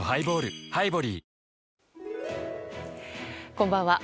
こんばんは。